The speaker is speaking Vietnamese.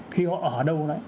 khi họ ở đâu